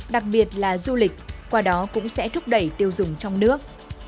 đặc biệt là du lịch qua đó cũng sẽ thúc đẩy tiêu dùng trong nước